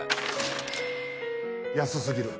安すぎる。